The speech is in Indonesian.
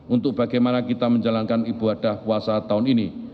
untuk bagaimana kita menjalankan ibadah puasa tahun ini